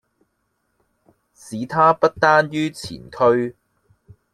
使他不憚于前驅。